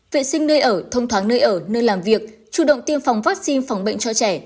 vệ sinh nơi ở thông thoáng nơi ở nơi làm việc chủ động tiêm phòng vaccine phòng bệnh cho trẻ